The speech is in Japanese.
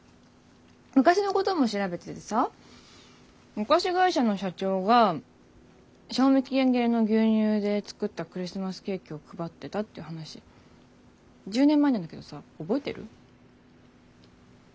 昔のことも調べててさお菓子会社の社長が賞味期限切れの牛乳で作ったクリスマスケーキを配ってたって話１０年前なんだけどさ覚えてる？